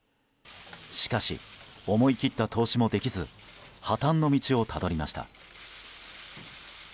しかし、思い切った投資もできず破綻の道をたどりました。